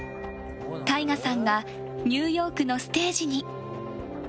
ＴＡＩＧＡさんがニューヨークのステージに。